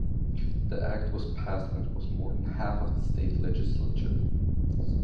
The Act was passed when it was more than half of the State Legislatures.